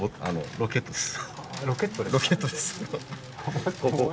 ロケットですか？